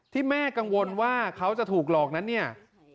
ที่แม่กังวลว่าเขาจะถูกหลอกนั้นเนี่ย